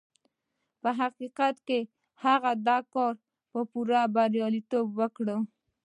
په حقيقت کې هغه دا کار په پوره برياليتوب وکړ.